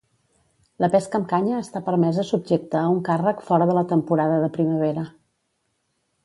La pesca amb canya està permesa subjecte a un càrrec fora de la temporada de primavera.